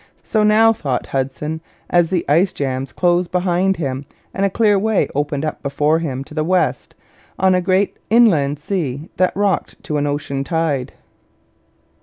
So now thought Hudson, as the ice jams closed behind him and a clear way opened before him to the west on a great inland sea that rocked to an ocean tide.